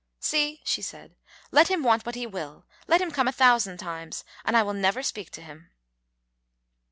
"See," she said, "let him want what he will, let him come a thousand times, and I will never speak to him."